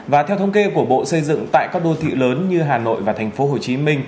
và theo thông kê của bộ xây dựng tại các đô thị lớn như hà nội và tp hcm